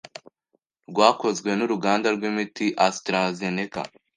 rwakozwe n'uruganda rw'imiti AstraZeneca